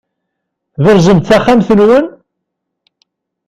Tberzem-d taxxamt-nwen?